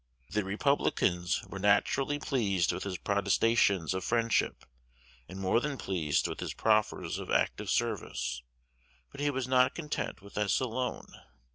The Republicans were naturally pleased with his protestations of friendship, and more than pleased with his proffers of active service; but he was not content with this alone.